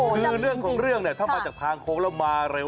คือเรื่องของเรื่องเนี่ยถ้ามาจากทางโค้งแล้วมาเร็ว